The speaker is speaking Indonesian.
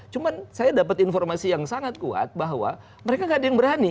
cuma saya dapat informasi yang sangat kuat bahwa mereka tidak ada yang berani